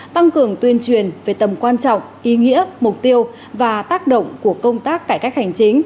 tăng cường tuyên truyền về tầm quan trọng ý nghĩa mục tiêu và tác động của công tác cải cách hành chính